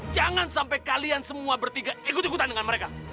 jangan sampai kalian semua bertiga ikut ikutan dengan mereka